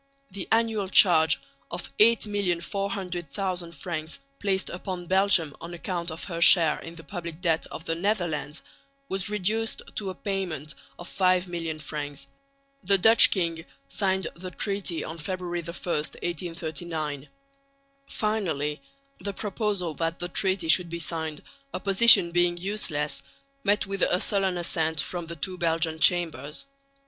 The annual charge of 8,400,000 francs placed upon Belgium on account of her share in the public debt of the Netherlands was reduced to a payment of 5,000,000 francs. The Dutch king signed the treaty on February 1, 1839. Finally the proposal that the treaty should be signed, opposition being useless, met with a sullen assent from the two Belgian Chambers.